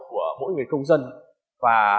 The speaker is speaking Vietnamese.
của mỗi người công dân và